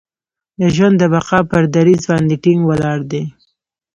د ژوند د بقا پر دریځ باندې ټینګ ولاړ دی.